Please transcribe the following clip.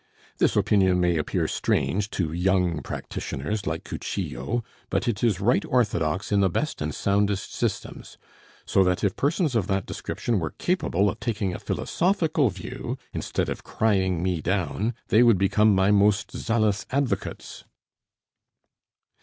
This opinion may appear strange to young practitioners like Cuchillo, but it is right orthodox in the best and soundest systems; so that if persons of that description were capable of taking a philosophical view, instead of crying me down, they would become my most zealous advocates."